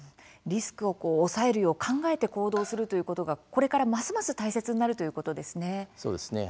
リスクを抑えるよう考えて行動するということがこれから、ますます大切になるということですね。